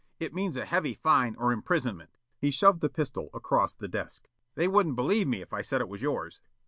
It means a heavy fine or imprisonment." He shoved the pistol across the desk. "They wouldn't believe me if I said it was yours."